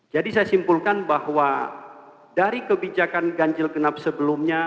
jadi saya simpulkan bahwa dari kebijakan ganjil genap sebelumnya